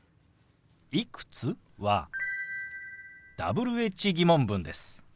「いくつ？」はＷｈ−疑問文です。